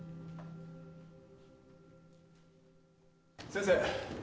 ・先生！